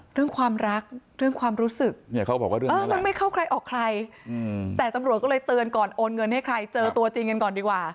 เรื่องความรักเรื่องความรู้สึกเนี่ยเขาบอกว่าเรื่องมันไม่เข้าใครออกใครแต่ตำรวจก็เลยเตือนก่อนโอนเงินให้ใครเจอตัวจริงกันก่อนดีกว่า